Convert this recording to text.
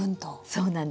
そうなんです。